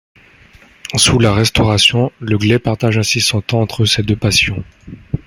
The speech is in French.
Sous la Restauration, Le Glay partage ainsi son temps entre ses deux passions.